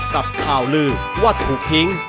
กับข่าวลือว่าถูกทิ้ง